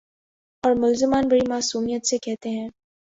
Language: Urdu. اورملزمان بڑی معصومیت سے کہتے ہیں۔